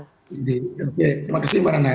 terima kasih marana